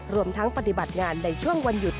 รวมทั้งปฏิบัติงานในช่วงวันหยุด